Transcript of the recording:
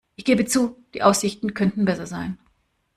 Ich gebe zu, die Aussichten könnten besser sein.